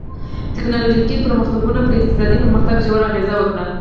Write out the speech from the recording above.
ټکنالوژیکي پرمختګونو پر اقتصادي پرمختګ ژور اغېز وکړ.